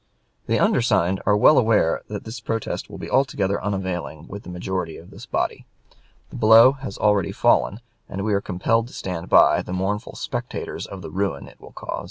The undersigned are well aware that this protest will be altogether unavailing with the majority of this body. The blow has already fallen; and we are compelled to stand by, the mournful spectators of the ruin it will cause.